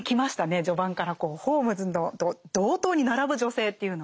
序盤からホームズと同等に並ぶ女性というのは。